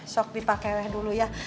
sok dipake dulu ya